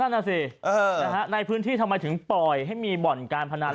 นั่นน่ะสิในพื้นที่ทำไมถึงปล่อยให้มีบ่อนการพนัน